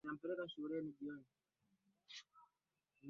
Mzee Abdi alilala.